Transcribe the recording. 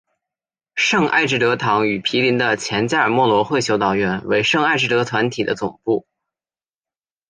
圣艾智德堂与毗邻的前加尔默罗会修道院为圣艾智德团体的总部。